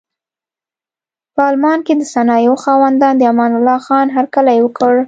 په المان کې د صنایعو خاوندانو د امان الله خان هرکلی وکړ.